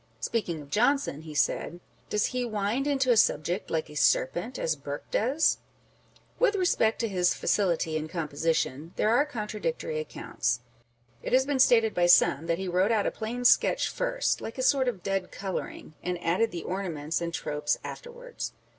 Speaking of Johnson, he said, " Does he wind into a subject like a serpent, as Burke does ?" With respect to his facility in composition, there are contradictory accounts. It has been stated by some, that he wrote out a plain sketch first, like a sort of dead colouring, and added the ornaments and tropes afterwards.